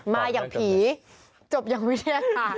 มาอย่างผีจบอย่างวิทยาศาสตร์